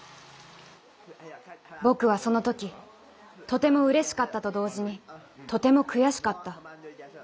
僕はその時とてもうれしかったと同時にとても悔しかった。